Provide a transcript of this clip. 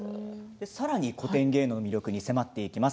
さらに古典芸能の魅力に迫っていきます。